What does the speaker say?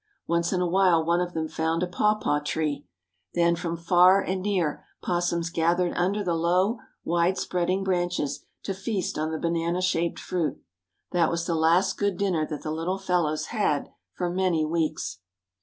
Once in a while one of them found a pawpaw tree. Then from far and near opossums gathered under the low wide spreading branches to feast on the banana shaped fruit. That was the last good dinner that the little fellows had for many weeks.